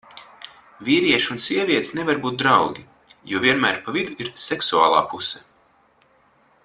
Vīrieši un sievietes nevar būt draugi, jo vienmēr pa vidu ir seksuālā puse.